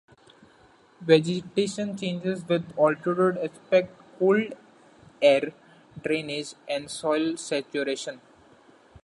Vegetation changes with altitude, aspect, cold air drainage and soil saturation.